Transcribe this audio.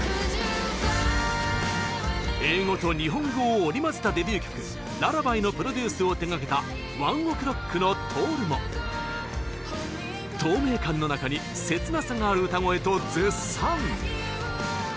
英語と日本語を織り交ぜたデビュー曲「ｌｕｌｌａｂｙ」のプロデュースを手がけたＯＮＥＯＫＲＯＣＫのＴｏｒｕも「透明感の中に切なさがある歌声」と絶賛！